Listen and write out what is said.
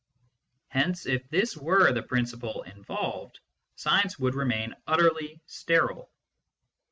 Hence, if this were the principle involved, science would remain utterly sterile.